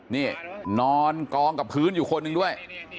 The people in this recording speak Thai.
นี่นอนกองกับพื้นอยู่คนหนึ่งด้วย